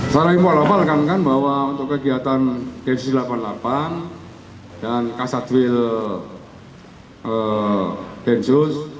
selama ini mbak lapa rekan rekan bahwa untuk kegiatan densis delapan puluh delapan dan kasatwil densus